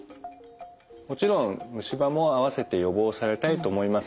もちろん虫歯も併せて予防されたいと思います。